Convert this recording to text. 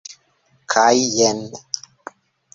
Kaj jen.